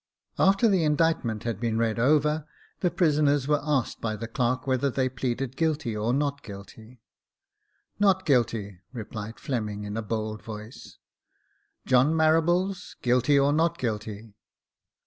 Jacob Faithful 87 After the indictment had been read over, the prisoners were asked by the clerk whether they pleaded guilty or not guilty. " Not guilty," replied Fleming, in a bold voice. "John Marables — guilty or not guilty?"